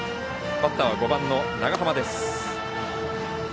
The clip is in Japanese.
バッターは５番の長濱です。